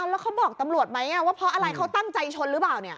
แล้วเขาบอกตำรวจไหมว่าเพราะอะไรเขาตั้งใจชนหรือเปล่า